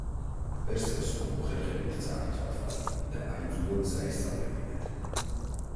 პერსევსმა მოხერხებით წაართვა თვალი და აიძულა გზა ესწავლებინათ.